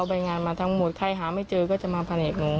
เอาใบงานมาทั้งหมดใครหาไม่เจอก็จะมาแผลเอกนึง